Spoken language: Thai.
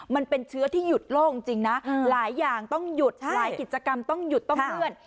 มันเป็นเชื้อที่หยุดโลกจริงนะหลายอย่างต้องหยุดหลายกิจกรรมต้องหยุดต้องเลื่อน